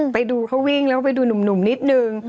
ไปดูเขาวิ่งแล้วก็ไปดูหนุ่มนิดนึง